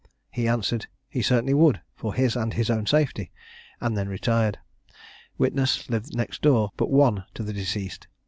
He answered "He certainly would, for his and his own safety," and then retired. Witness lived next door but one to the deceased.